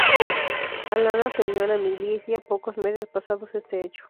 Alana se unió a la milicia pocos meses pasado este hecho.